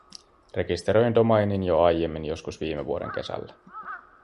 Rekisteröin domainin jo aiemmin, joskus viime vuoden kesällä.